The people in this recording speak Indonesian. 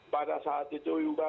pada saat itu juga